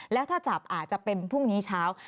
แล้วถ้าจับอาจจะเป็นพรุ่งนี้เช้า